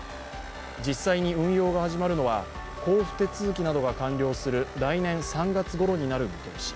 実際に運用が始まるのは交付手続きなどが完了する来年３月ごろになる見通し。